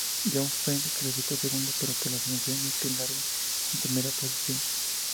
John McPhee clasificó segundo pero por la sanción a Kent largo en primera posición